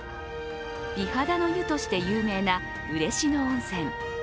美肌の湯として有名な嬉野温泉。